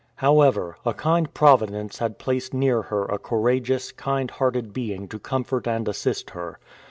However, a kind Providence had placed near her a courageous, kind hearted being to comfort and assist her.